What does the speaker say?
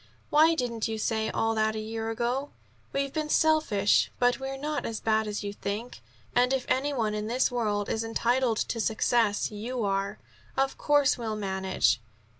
"Why didn't you say all that a year ago? We've been selfish, but we're not as bad as you think. And if any one in this world is entitled to success you are. Of course we'll manage."